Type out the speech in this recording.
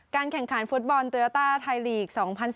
การแข่งขันฟุตบอลตูยาตาไทยลีกส์๒๐๑๖